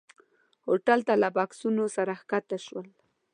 هوټل ته له بکسونو سره ښکته شول.